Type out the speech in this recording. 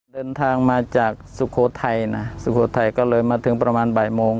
เดินทางมาจากสุโขทัยนะสุโขทัยก็เลยมาถึงประมาณบ่ายโมง